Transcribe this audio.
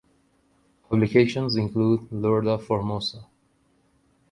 Publications include "Lord of Formosa".